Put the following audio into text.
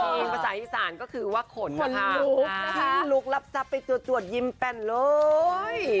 กินภาษาอีสานก็คือว่าขนนะคะขิ้งลุกรับทรัพย์ไปจวดยิ้มแป่นเลย